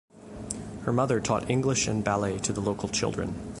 Her mother taught English and ballet to the local children.